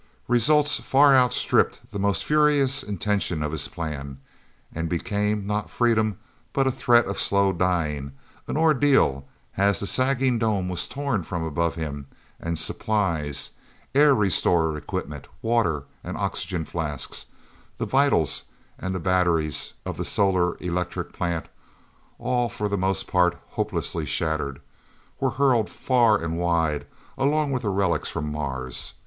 Results far outstripped the most furious intention of his plan, and became, not freedom, but a threat of slow dying, an ordeal, as the sagging dome was torn from above him, and supplies, air restorer equipment, water and oxygen flasks, the vitals and the batteries of the solar electric plant all for the most part hopelessly shattered were hurled far and wide, along with the relics from Mars.